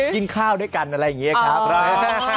กินข้าวด้วยกันอะไรอย่างนี้ครับ